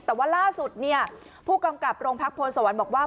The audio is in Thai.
แต่ว่าล่าสุดเนี่ยผู้กำกับโรงพักพลสวรรค์บอกว่า